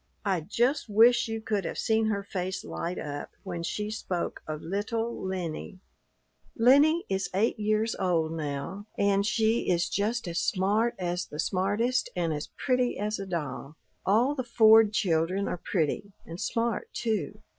I just wish you could have seen her face light up when she spoke of little Lennie. "Lennie is eight years old now, and she is just as smart as the smartest and as pretty as a doll. All the Ford children are pretty, and smart, too.